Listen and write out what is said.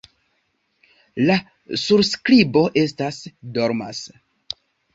La surskribo estas: "dormas".